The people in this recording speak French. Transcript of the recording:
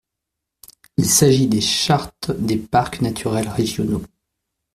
Il s’agit des chartes des parcs naturels régionaux.